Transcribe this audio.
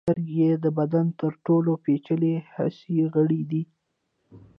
سترګې د بدن تر ټولو پیچلي حسي غړي دي.